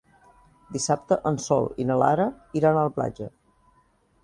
Dissabte en Sol i na Lara iran a la platja.